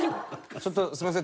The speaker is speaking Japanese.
ちょっとすみません。